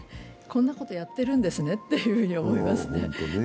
こんなことやってるんですねっていうふうに思いますね。